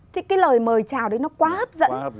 thì cái lời mời chào đấy nó quá hấp dẫn